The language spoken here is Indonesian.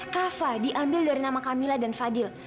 kava diambil dari nama camilla dan fadil